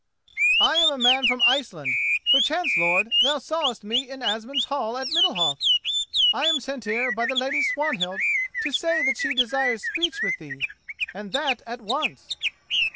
"I am a man from Iceland; perchance, lord, thou sawest me in Asmund's hall at Middalhof. I am sent here by the Lady Swanhild to say that she desires speech with thee, and that at once."